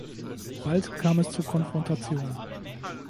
Bald kam es zur Konfrontation.